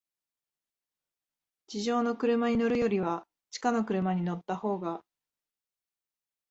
地上の車に乗るよりは、地下の車に乗ったほうが、